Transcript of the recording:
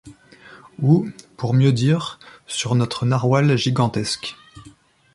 Ou, pour mieux dire, sur notre narwal gigantesque.